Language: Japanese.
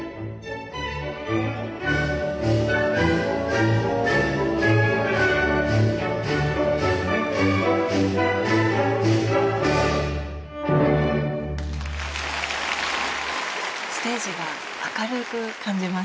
次はステージが明るく感じます。